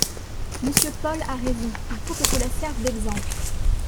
Monsieur Paul a raison, il faut que cela serve d’exemple